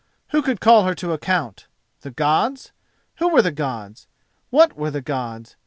Who could call her to account? The Gods! Who were the Gods? What were the Gods?